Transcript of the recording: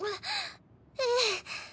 ええ。